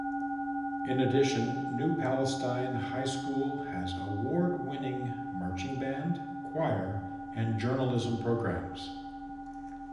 In addition, New Palestine High School has award-winning marching band, choir and journalism programs.